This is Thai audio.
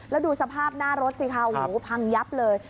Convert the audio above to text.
แล้วดูสภาพหน้ารถสิคะโอ้โหพังยับเลย